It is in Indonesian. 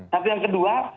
tapi yang kedua